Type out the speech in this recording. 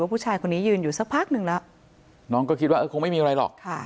ผู้ชายคนนี้ยืนอยู่สักพักหนึ่งแล้วน้องก็คิดว่าเออคงไม่มีอะไรหรอกค่ะ